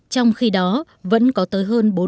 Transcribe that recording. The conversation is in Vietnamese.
trong khi đó vẫn có tới hơn